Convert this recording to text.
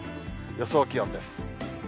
予想気温です。